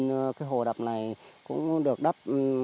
cái hồ đập này cũng được đắp